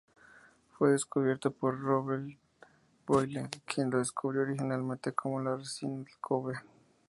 Fue descubierto por Robert Boyle, quien lo describió originalmente como la "resina del cobre".